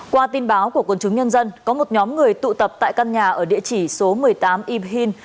qua tin báo của quân chúng nhân dân có một nhóm người tụ tập tại căn nhà ở địa chỉ số một mươi tám ymhin